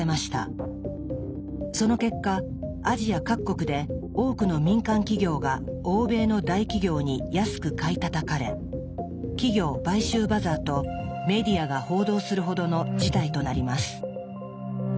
その結果アジア各国で多くの民間企業が欧米の大企業に安く買いたたかれ「企業買収バザー」とメディアが報道するほどの事態となります。